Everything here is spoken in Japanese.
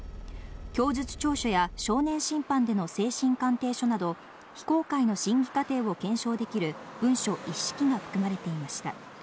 供述調書や少年審判での精神鑑定書など非公開の審議過程を検証できる文書一式が含まれていました。